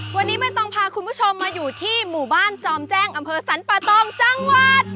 วันนี้ไม่ต้องพาคุณผู้ชมมาอยู่ที่หมู่บ้านจอมแจ้งอำเภอสรรปะตองจังหวัด